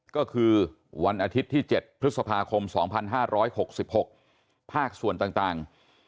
ก็คือวันอาทิตย์ที่๗พฤษภาคม๒๕๖๖ภาคส่วนต่าง